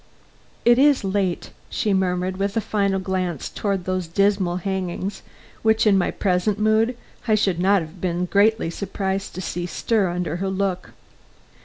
"It is late," she murmured with a final glance towards those dismal hangings which in my present mood I should not have been so greatly surprised to see stir under her look.